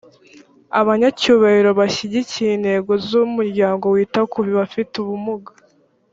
abanyacyubahiro bashyigikiye intego z’umuryango wita ku bafite ubumuga